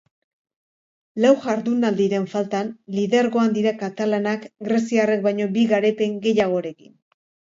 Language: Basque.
Lau jardunaldiren faltan, lidergoan dira katalanak greziarrek baino bi garaipen gehiagorekin.